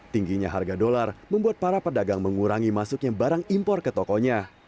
tingginya harga dolar membuat para pedagang mengurangi masuknya barang impor ke tokonya